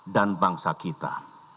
dan bangsa kita